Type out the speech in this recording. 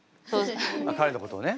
彼のことをね。